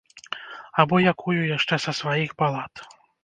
Або якую яшчэ са сваіх балад.